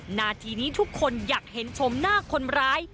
นาทีนี้ทุกคนอยากเห็นชมหน้าคนร้าย